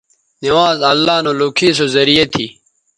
نوانز اللہ نو لوکھے سو زریعہ تھی